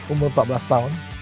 umur empat belas tahun